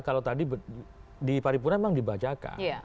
kalau tadi di paripurna memang dibacakan